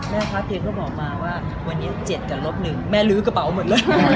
แม่พาเทียงก็บอกมาว่าวันนี้เจ็ดกันลบหนึ่งแม่ลื้อกระเป๋าหมดเลย